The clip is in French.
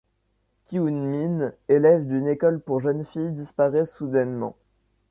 Kyung-min, élève d'une école pour jeunes filles, disparait soudainement.